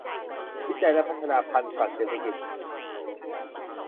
วิจัยและพัฒนาพันธุ์สัตว์เศรษฐกิจ